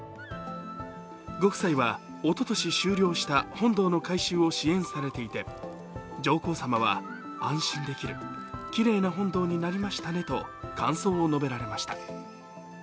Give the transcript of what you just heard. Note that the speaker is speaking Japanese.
ご夫妻は、おととし終了した本堂の改修を支援されていて、上皇さまは、安心できるきれいな本堂になりましたねと感想を述べられました。